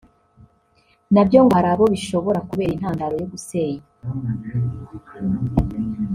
na byo ngo hari abo bishobora kubera intandaro yo gusenya